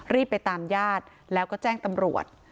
รีบไปตามญาติแล้วก็แจ้งตำรวจ